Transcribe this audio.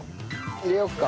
入れよっか。